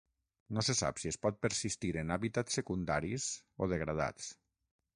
No se sap si es pot persistir en hàbitats secundaris o degradats.